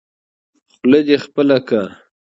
خوله دې خپله کړه.